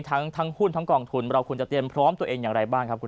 ทั้งหุ้นทั้งกองทุนเราควรจะเตรียมพร้อมตัวเองอย่างไรบ้างครับคุณ